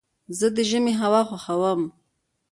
زه د ژمي هوا خوښوم.